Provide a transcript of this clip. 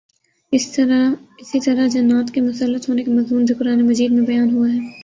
اسی طرح جنات کے مسلط ہونے کا مضمون بھی قرآنِ مجید میں بیان ہوا ہے